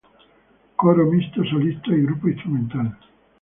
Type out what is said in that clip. Coro mixto solistas y grupo instrumental.